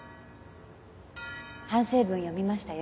反省文読みましたよ。